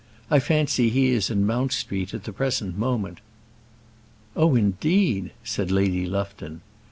I fancy he is in Mount Street at the present moment." "Oh, indeed!" said Lady Lufton.